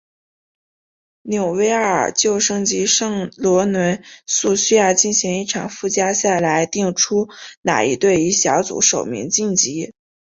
纽维尔旧生及圣罗伦素需要进行一场附加赛来定出哪一队以小组首名晋级。